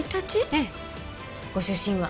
ええご出身は？